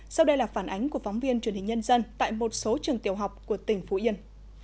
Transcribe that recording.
sau đây là phản ánh của phóng viên truyền hình nhân dân tại một số trường tiểu học của tỉnh phú yên